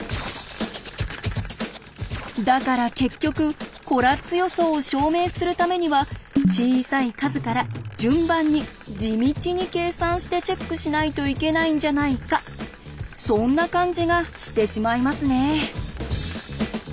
だから結局コラッツ予想を証明するためには小さい数から順番に地道に計算してチェックしないといけないんじゃないかそんな感じがしてしまいますね。